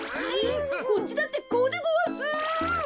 こっちだってこうでごわす。